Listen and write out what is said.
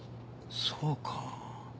そうか。